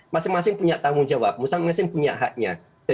masing masing punya tanggung jawab musham masing masing punya haknya